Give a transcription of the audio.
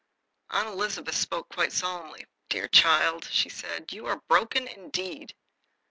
Aunt Elizabeth spoke quite solemnly. "Dear child!" she said, "you are broken, indeed."